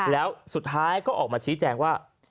แล้วสุดท้ายก็ออกมาชี้แจงว่า